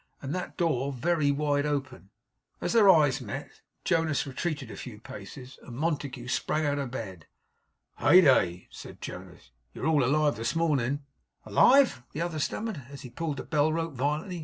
And that very door wide open. As their eyes met, Jonas retreated a few paces, and Montague sprang out of bed. 'Heyday!' said Jonas. 'You're all alive this morning.' 'Alive!' the other stammered, as he pulled the bell rope violently.